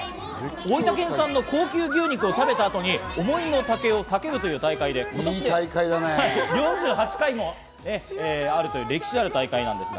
大分県産の高級牛肉を食べた後に思いの丈を叫ぶ大会で、今年で４８回目という歴史ある大会です。